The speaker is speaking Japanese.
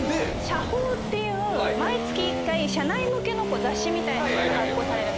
社報っていう毎月１回社内向けの雑誌みたいなのが発行されるんですね。